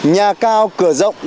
nhà cao cửa rộng